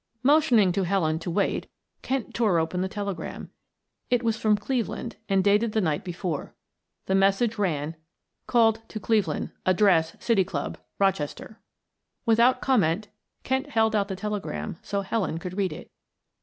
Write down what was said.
Motioning to Helen to wait, Kent tore open the telegram. It was from Cleveland and dated the night before. The message ran: Called to Cleveland. Address City Club. Rochester. Without comment Kent held out the telegram so that Helen could read it.